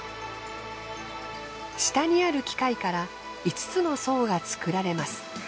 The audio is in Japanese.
下にある機械から５つの層が作られます。